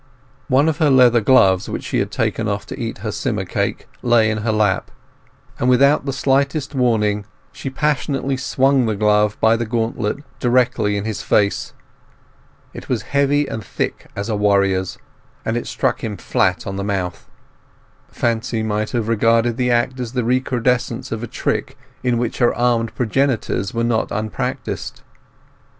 One of her leather gloves, which she had taken off to eat her skimmer cake, lay in her lap, and without the slightest warning she passionately swung the glove by the gauntlet directly in his face. It was heavy and thick as a warrior's, and it struck him flat on the mouth. Fancy might have regarded the act as the recrudescence of a trick in which her armed progenitors were not unpractised.